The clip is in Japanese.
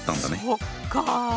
そっか。